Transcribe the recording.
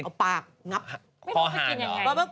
เอาปากงับพอหาดเหรอ